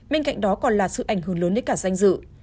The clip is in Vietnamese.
bên cạnh đó còn là sự ảnh hưởng lớn đến cả danh dự